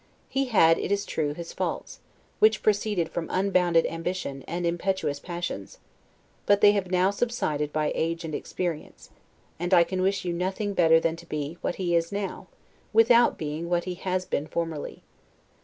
He had, it is true, his faults; which proceeded from unbounded ambition, and impetuous passions; but they have now subsided by age and experience; and I can wish you nothing better than to be, what he is now, without being what he has been formerly.